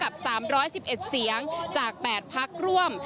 กับ๓๑๑เสียงจาก๘พักร่วม